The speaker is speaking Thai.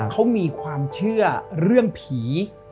เขามีความเชื่อเรื่องผี